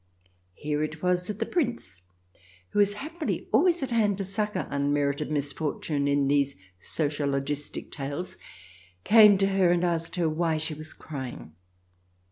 Here it was that the Prince, who is happily always at hand to succour unmerited mis fortune in these sociologistic tales, came to her and asked her why she was crying.